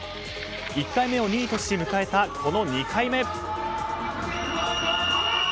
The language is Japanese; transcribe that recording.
１回目を２位として迎えたこの２回目。